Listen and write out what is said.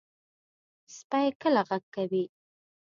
سپي کله غږ کوي.